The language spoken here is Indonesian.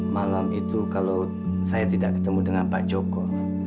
malam itu kalau saya tidak ketemu dengan pak joko